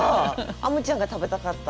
あむちゃんが食べたかった？